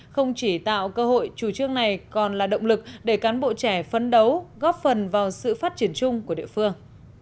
không chỉ tạo cơ hội chủ trương này còn là động lực để cán bộ trẻ phấn đấu góp phần vào sự phát triển chung của địa phương